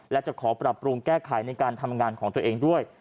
และจะขอปรับปรุงแก้ไขในการทำงานของตัวเองด้วย